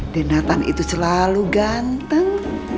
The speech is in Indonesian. dina tante itu selalu ganteng